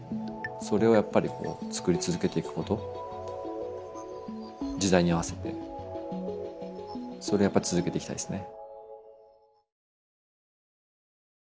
それをやっぱり作り続けていくこと時代に合わせてそれやっぱ続けていきたいですね。